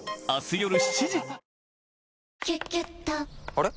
あれ？